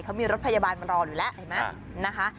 เขามีรถพยาบาลมารออยู่แล้วเห็นไหมนะคะ